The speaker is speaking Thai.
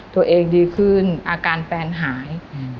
ตัวเองดีขึ้นอาการแฟนหาย